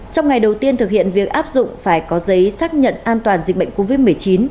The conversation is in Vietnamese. trong ngày đầu tiên thực hiện việc áp dụng phải có giấy xác nhận an toàn dịch bệnh covid một mươi chín